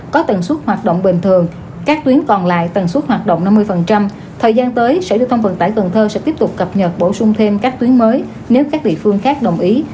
có tầng suốt hoạt động bình thường các tuyến còn lại tầng suốt hoạt động năm mươi